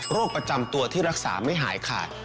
ประจำตัวที่รักษาไม่หายขาด